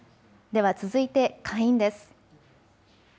では続いて下院です。